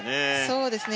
そうですね。